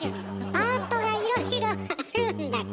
パートがいろいろあるんだから！